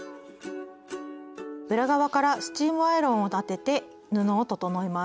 裏側からスチームアイロンを当てて布を整えます。